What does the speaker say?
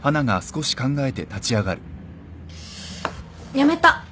やめた。